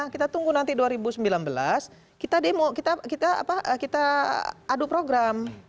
kita tunggu nanti dua ribu sembilan belas kita demo kita adu program